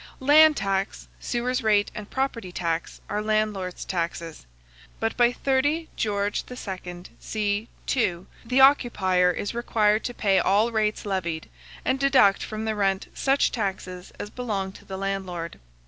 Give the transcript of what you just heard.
Land tax, sewers rate, and property tax, are landlord's taxes; but by 30 Geo. II. c. 2, the occupier is required to pay all rates levied, and deduct from the rent such taxes as belong to the landlord.